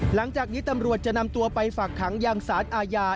หลังจากนี้ตำรวจจะนำตัวไปฝากขังยังสารอาญา